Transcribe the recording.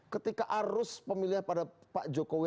ketika arus pemilihan pada pak jokowi